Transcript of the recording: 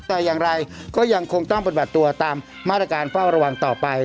แต่อย่างไรก็ยังคงต้องปฏิบัติตัวตามมาตรการเฝ้าระวังต่อไป